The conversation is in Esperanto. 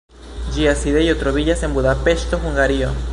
Ĝia sidejo troviĝas en Budapeŝto, Hungario.